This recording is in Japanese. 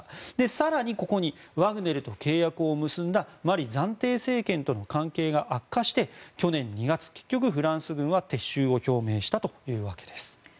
更に、ここにワグネルと契約を結んだマリ暫定政権との関係が悪化して去年２月、結局フランス軍は撤収を表明したというわけです。